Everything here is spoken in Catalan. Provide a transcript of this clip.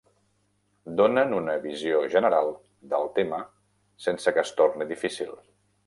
Donen una visió general del tema sense que es torni difícil.